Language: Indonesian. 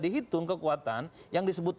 dihitung kekuatan yang disebut